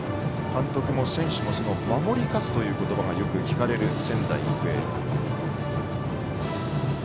監督も選手も守り勝つという言葉がよく聞かれる、仙台育英。